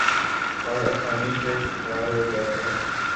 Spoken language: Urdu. اور آسانی سے شکار ہو جاتے ہیں ۔